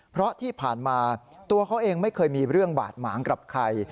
เพราะที่ผ่านมาตัวเขาเองไม่เคยมีเรื่องบาดหมางกับใคร